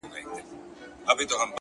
مجرم د غلا خبري پټي ساتي ـ